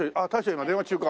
今電話中か。